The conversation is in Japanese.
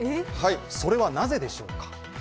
それはなぜでしょうか？